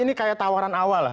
ini kayak tawaran awal lah